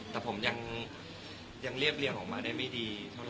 แต่ผมยังเรียบเรียงออกมาได้ไม่ดีเท่าไห